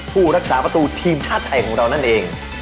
ผู้รักษาประตูทีมชาติไทยของเรานั่นเอง